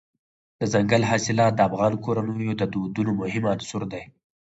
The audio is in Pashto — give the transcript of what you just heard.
دځنګل حاصلات د افغان کورنیو د دودونو مهم عنصر دی.